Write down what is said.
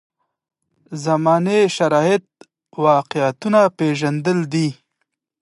زمانې شرایط واقعیتونه پېژندل دي.